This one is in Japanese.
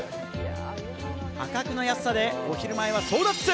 破格の安さでお昼前の争奪戦！